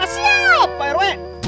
siap pak rw